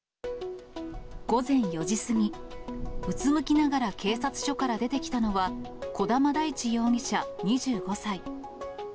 午前４時過ぎ、うつむきながら警察署から出てきたのは、児玉大地容疑者２５歳。